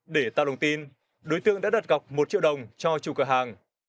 để tạo đồng tin đối tượng đã đặt gọc một triệu đồng cho chủ cửa hàng